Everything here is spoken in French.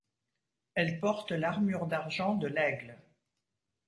Elle porte l’armure d'argent de l’Aigle.